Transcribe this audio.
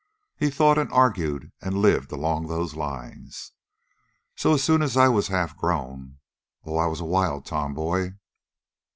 He thought and argued and lived along those lines. So as soon as I was half grown oh, I was a wild tomboy!"